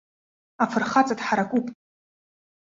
Афырхаҵа дҳаракуп.